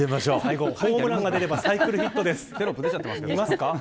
ホームランが出ればサイクルヒットです。